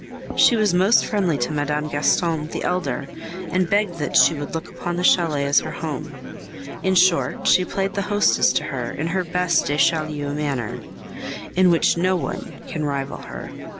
She was most friendly to Mme. Gaston the elder and begged that she would look upon the chalet as her home; in short, she played the hostess to her in her best de Chaulieu manner, in which no one can rival her.